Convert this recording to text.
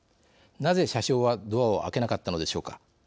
なぜ、車掌はドアを開けなかったのでしょうか。